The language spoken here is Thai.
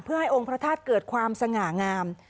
เพื่อให้องค์พระธาตุเกิดความสง่างาม